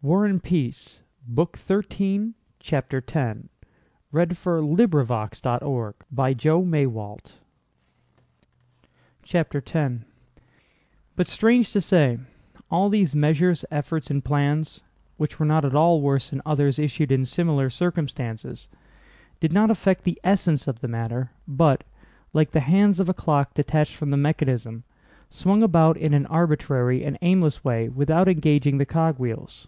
severe punishment for the nonperformance of military duties and to suppress robbery. CHAPTER X But strange to say, all these measures, efforts, and plans—which were not at all worse than others issued in similar circumstances—did not affect the essence of the matter but, like the hands of a clock detached from the mechanism, swung about in an arbitrary and aimless way without engaging the cogwheels.